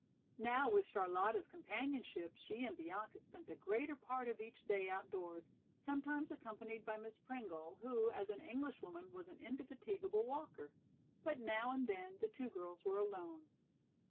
Now with Charlotta's companionship she and Bianca spent the greater part of each day outdoors, sometimes accompanied by Miss Pringle, who as an Englishwoman was an indefatigable walker. But now and then the two girls were alone.